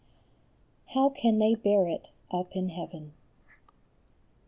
HOW CAN THEY BEAR IT UP IN HEAVEN?"